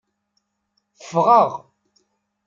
Ffɣeɣ.